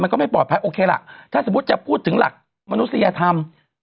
ก็ไม่ปลอดภัยโอเคล่ะถ้าสมมุติจะพูดถึงหลักมนุษยธรรม